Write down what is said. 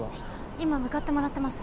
今向かってもらってます。